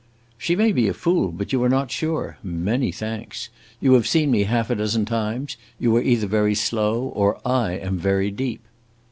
"She may be a fool, but you are not sure. Many thanks! You have seen me half a dozen times. You are either very slow or I am very deep."